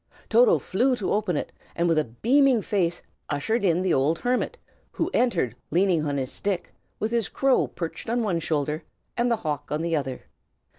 Toto flew to open it, and with a beaming face ushered in the old hermit, who entered leaning on his stick, with his crow perched on one shoulder and the hawk on the other.